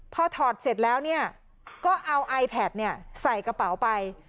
พอถอดเสร็จแล้วเนี่ยก็เอาไอแพทใส่กระเป๋าไป